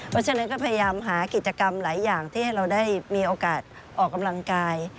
เพราะฉะนั้นก็พยายามหากิจกรรมหลายอย่างที่ให้เราได้มีโอกาสออกกำลังกาย